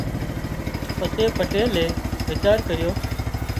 پسي پٽيلئي ويچار ڪريو